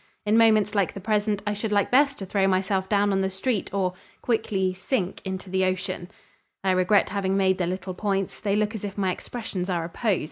In moments like the present I should like best to throw myself down on the street or ... quickly ... sink ... into the ocean. (I regret having made the little points. They look as if my expressions are a pose.)